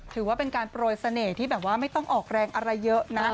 ถือว่าเป็นการโปรยเสน่ห์ที่แบบว่าไม่ต้องออกแรงอะไรเยอะนะ